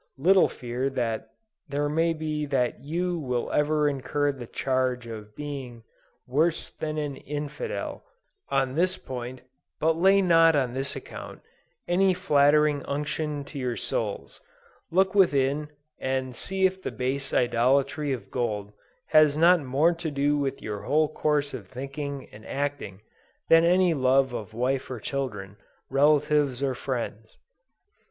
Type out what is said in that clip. Little fear there may be that you will ever incur the charge of being "worse than an infidel" on this point; but lay not on this account, any flattering unction to your souls; look within, and see if the base idolatry of gold has not more to do with your whole course of thinking and acting, than any love of wife or children, relatives or friends!